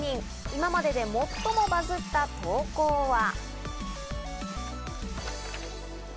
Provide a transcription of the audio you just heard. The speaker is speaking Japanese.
今までで最もバズった投稿は。